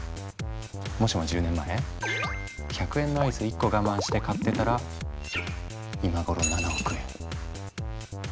もしも１０年前１００円のアイス１個我慢して買ってたら今頃７億円。